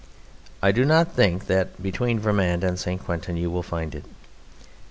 I do not think that between Vermand and St. Quentin you will find it.